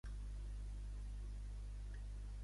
Ho vam fer, porquets que érem.